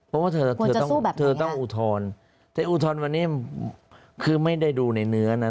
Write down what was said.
เพราะว่าเธอต้องเธอต้องอุทธรณ์แต่อุทธรณ์วันนี้คือไม่ได้ดูในเนื้อนะ